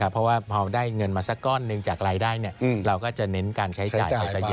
เพราะว่าพอได้เงินมาสักก้อนหนึ่งจากรายได้เราก็จะเน้นการใช้จ่ายไปซะเยอะ